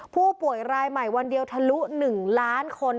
ผู้ป่วยรายใหม่วันเดียวทะลุ๑ล้านคน